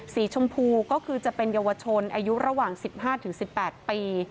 สีชมพูก็คือจะเป็นเยาวชนอายุระหว่าง๑๕๑๘ปี